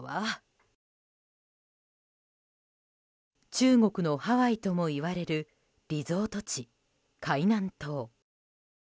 中国のハワイともいわれるリゾート地・海南島。